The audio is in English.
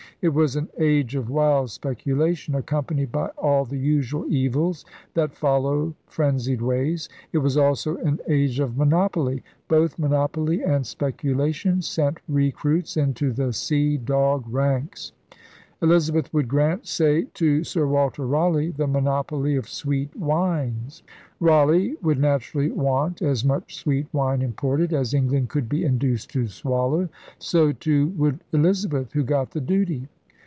It was an age of wild speculation accompanied by all the usual evils that follow frenzied ways. It was also an age of monopoly. Both monopoly and specula tion sent recruits into the sea dog ranks. Eliza beth would grant, say, to Sir Walter Raleigh, the monopoly of sweet wines. Raleigh would naturally want as much sweet wine imported as England could be induced to swallow. So, too, would Elizabeth, who got the duty.